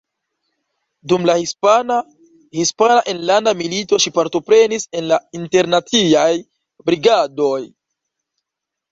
Dum la hispana Hispana Enlanda Milito ŝi partoprenis en la Internaciaj Brigadoj.